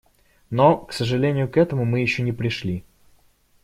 Но, к сожалению, к этому мы еще не пришли.